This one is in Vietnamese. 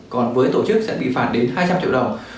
còn với tổ chức sẽ bị phạt đến hai trăm linh triệu đồng